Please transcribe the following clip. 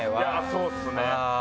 そうっすね。